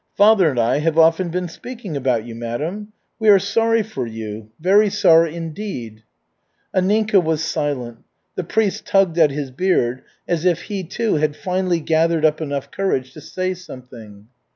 Father and I have often been speaking about you, madam. We are sorry for you, very sorry, indeed." Anninka was silent. The priest tugged at his beard as if he, too, had finally gathered up enough courage to say something.